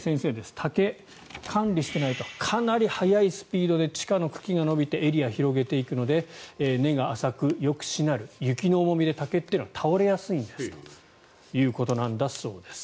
竹、管理してないとかなり速いスピードで地下の茎が伸びてエリアを広げていくので根が浅く、よくしなる雪の重みで、竹っていうのは倒れやすいんですということなんだそうです。